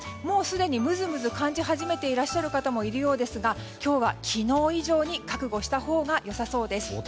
もうすでにむずむず感じ始めている方もいるようですが今日は、昨日以上に覚悟したほうが良さそうです。